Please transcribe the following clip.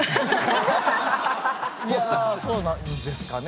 いやあそうなんですかね。